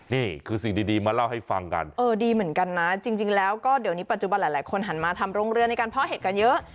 นี่คือสิ่งดีมาเล่าให้ฟังกันเออดีเหมือนกันนะจริงแล้วก็เดี๋ยวนี้ปัจจุบันหลายคนหันมาทำโรงเรือในการเพาะเห็ดกันเยอะ